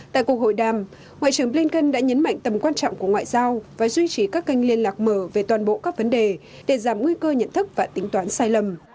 tại cuộc hội đàm ngoại trưởng blinken đã nhấn mạnh tầm quan trọng của ngoại giao và duy trì các kênh liên lạc mở về toàn bộ các vấn đề để giảm nguy cơ nhận thức và tính toán sai lầm